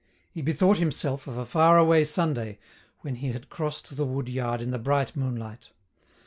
He bethought himself of a far away Sunday when he had crossed the wood yard in the bright moonlight.